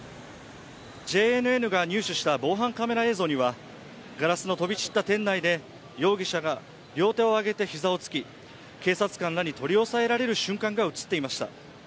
ＪＮＮが入手した防犯カメラ映像にはガラスが飛び散った店内で、容疑者が両手を挙げて膝をつき警察官らに取り押さえられる瞬間が映っていました。